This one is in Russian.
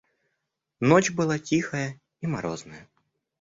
Ночь была тихая и морозная.